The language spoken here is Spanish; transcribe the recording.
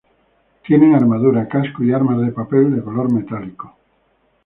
Tienen armadura, casco y armas de papel de color metálico.